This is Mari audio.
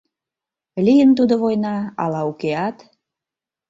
Лийын тудо война... ала укеат...